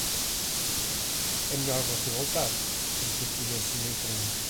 É melhor você voltar, como se estivesse indo em frente.